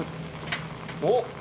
おっ。